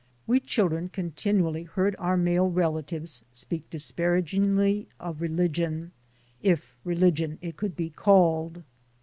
We children continuously heard our male relatives speak disparagingly of religion, if religion it could be called.